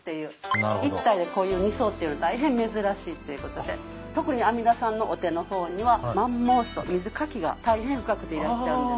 １体でこういう二相っていうの大変珍しいっていうことで特に阿弥陀さんのお手の方には縵網相水かきが大変深くていらっしゃるんです。